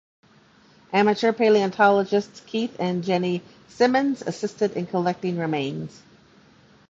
Amateur paleontologists Keith and Jenny Simmonds assisted in collecting remains.